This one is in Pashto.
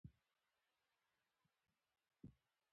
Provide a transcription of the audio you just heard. د پخلنځي لګښتونه کم کړئ.